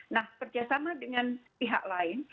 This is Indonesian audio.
nah kerjasama dengan pihak lain